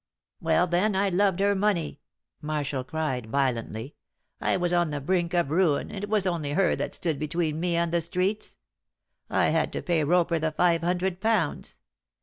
"Well, then, I loved her money!" Marshall cried, violently. "I was on the brink of ruin, and it was only her that stood between me and the streets. I had to pay Roper the five hundred pounds.